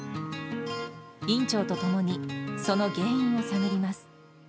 院長とともにその原因を探ります。